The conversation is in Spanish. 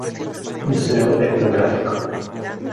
Museo etnográfico.